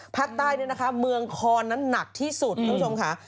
ภาคใต้เนี่ยนะคะเมืองคอนนั้นหนักที่สุดคุณผู้ชมค่ะ